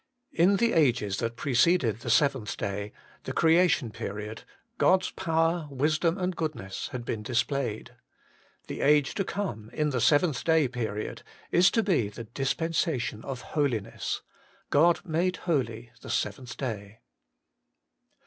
In the ages that preceded the seventh day, the Creation period, God's Power, Wisdom, and Goodness had been displayed. The age to come, in the seventh day period, is to be the dispensation of holiness : God made holy the seventh day.